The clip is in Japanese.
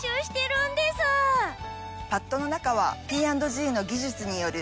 パッドの中はＰ＆Ｇの技術による。